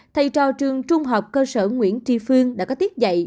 thầy trò trường trung học cơ sở nguyễn trì phương đã có tiết dạy